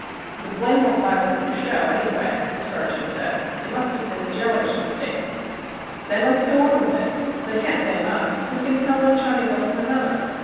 "The blame won't lie with Cruchot, anjrway," the sergeant said. "It must have been the jailer's mistake." "Then let's go on with it. They can't blame us. Who can tell one Chinago from another